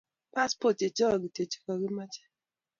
Passport chechok kityo ko chokokimache